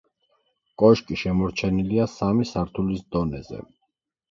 კოშკი შემორჩენილია სამი სართულის დონეზე.